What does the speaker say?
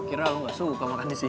kira lo enggak suka makan di sini